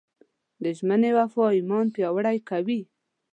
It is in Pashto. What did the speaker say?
د ژمنې وفا ایمان پیاوړی کوي.